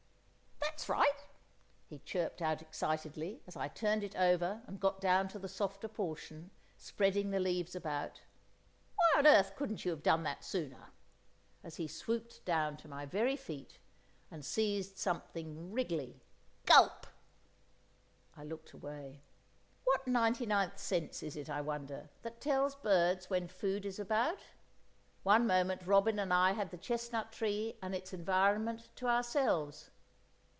"That's right," he chirped out excitedly, as I turned it over and got down to the softer portion, spreading the leaves about. "Why on earth couldn't you have done that sooner!" as he swooped down to my very feet and seized something wriggly—gulp! I looked away. What ninety ninth sense is it, I wonder, that tells birds when food is about? One moment robin and I had the chestnut tree and its environment to ourselves.